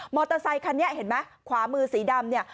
อเตอร์ไซคันนี้เห็นไหมขวามือสีดำเนี่ย